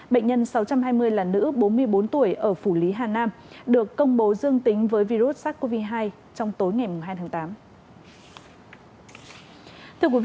bệnh nhân sáu trăm hai mươi là nữ bốn mươi bốn tuổi ở phủ lý hà nam được công bố dương tính với virus sars cov hai trong tối ngày hai tháng tám